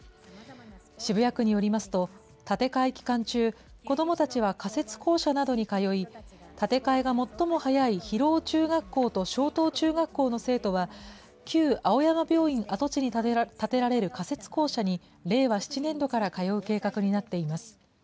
渋谷区によりますと、建て替え期間中、子どもたちは仮設校舎などに通い、建て替えが最も早い広尾中学校と松濤中学校の生徒は、旧青山病院跡地に建てられる仮設校舎に令和７年度から通う計画になっています。